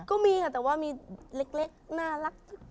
ก็มีค่ะแต่ว่ามีเล็กน่ารัก